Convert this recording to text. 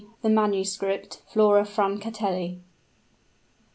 THE MANUSCRIPT FLORA FRANCATELLI.